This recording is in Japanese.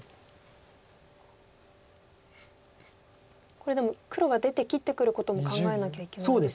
これでも黒が出て切ってくることも考えなきゃいけないですよね。